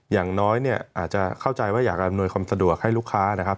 อย่างน้อยเนี่ยอาจจะเข้าใจว่าอยากอำนวยความสะดวกให้ลูกค้านะครับ